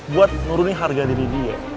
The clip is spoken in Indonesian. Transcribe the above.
buat nuruni harga diri dia